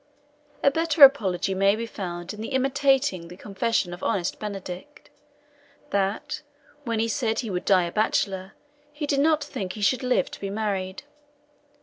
A better apology may be found in the imitating the confession of honest Benedict, that, when he said he would die a bachelor, he did not think he should live to be married.